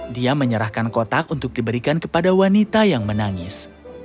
dia menyerahkan kotak untuk diberikan kepada wanita yang menangis